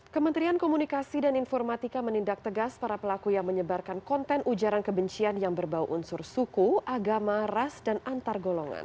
kementerian komunikasi dan informatika menindak tegas para pelaku yang menyebarkan konten ujaran kebencian yang berbau unsur suku agama ras dan antar golongan